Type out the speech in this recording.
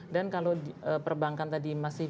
kalau perbankan tadi masih